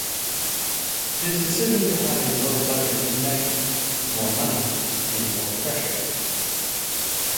His decision to have a low budget was measured: More money means more pressure.